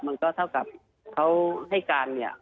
มันก็เท่ากับเขาให้การเนี่ย